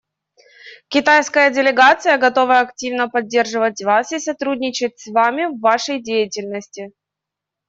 Китайская делегация готова активно поддерживать вас и сотрудничать с вами в вашей деятельности.